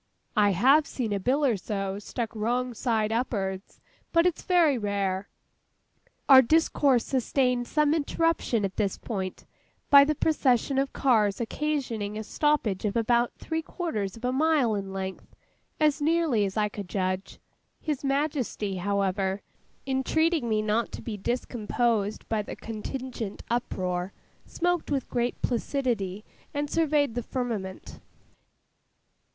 I have seen a bill or so stuck wrong side up'ards. But it's very rare.' Our discourse sustained some interruption at this point, by the procession of cars occasioning a stoppage of about three quarters of a mile in length, as nearly as I could judge. His Majesty, however, entreating me not to be discomposed by the contingent uproar, smoked with great placidity, and surveyed the firmament.